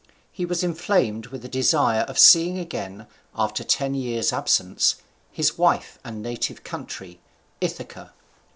He was inflamed with a desire of seeing again, after a ten years' absence, his wife and native country, Ithaca.